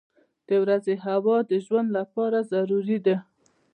• د ورځې هوا د ژوند لپاره ضروري ده.